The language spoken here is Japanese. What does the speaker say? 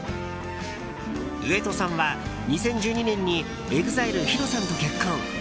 上戸さんは、２０１２年にＥＸＩＬＥＨＩＲＯさんと結婚。